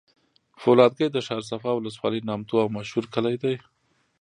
فولادګی د ښارصفا ولسوالی نامتو او مشهوره کلي دی